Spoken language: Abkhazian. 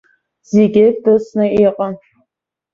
Зегьы дысны иҟан.